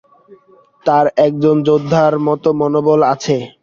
তার একজন যোদ্ধার মতো মনোবল আছে।